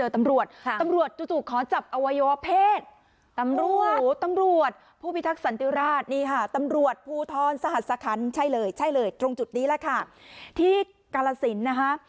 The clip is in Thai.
ตรงจุดนี้แหละค่ะที่กละศิลป์นะฮะ